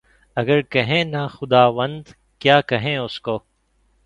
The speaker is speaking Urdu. اگر کہیں نہ خداوند، کیا کہیں اُس کو؟